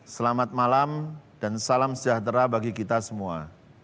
selamat malam dan salam sejahtera bagi kita semua